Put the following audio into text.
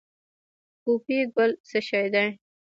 پوپی ګل څه شی دی؟